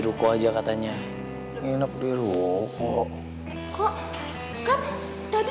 ruko aja katanya nginep di ruko kok kok kan tadi